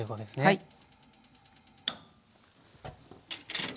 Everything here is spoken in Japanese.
はい。